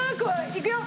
いくよ！